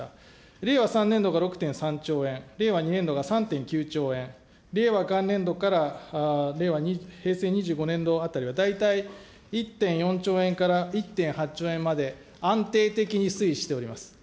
令和３年度が６．３兆円、令和２年度が３．９兆円、令和元年度から令和、平成２５年度あたりは、大体１．４兆円から１．８兆円まで、安定的に推移しております。